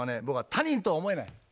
僕は他人とは思えない。